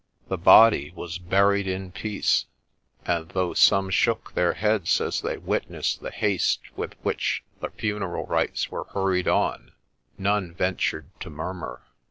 The body was buried in peace ; and though some shook their heads as they witnessed the haste with which the funeral rites were hurried on, none ventured to murmur.